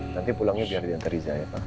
nanti pulangnya biar diantar riza ya pak